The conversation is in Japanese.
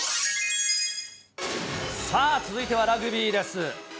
さあ、続いてはラグビーです。